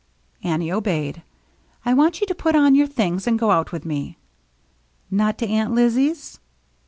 Annie obeyed. " I want you to put on your things and go out with me." " Not to Aunt Lizzie's